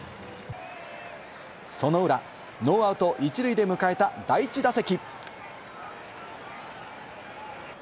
その裏、ノーアウト１塁で迎えた第１打席。